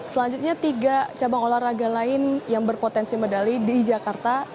selanjutnya tiga cabang olahraga lain yang berpotensi medali di jakarta